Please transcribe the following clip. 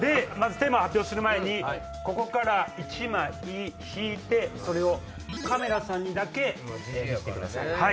テーマを発表する前にここから１枚引いてそれをカメラさんにだけ見せてください。